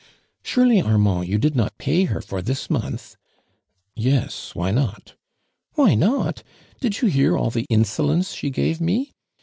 '•Surely, Armand, you did not pay her for this month?" "Yes. Why not?" " Why not ! Did you hear all the insolence she gave me